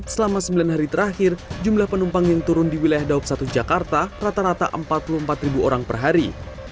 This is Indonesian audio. selama sembilan hari terakhir jumlah penumpang yang turun di wilayah daup satu jakarta rata rata empat puluh empat ribu orang per hari